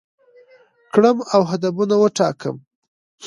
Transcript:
کړم او هدفونه وټاکم،